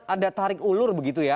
ada tarik ulur begitu ya